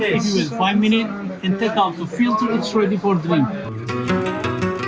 dan mengeluarkan filter sudah siap untuk minum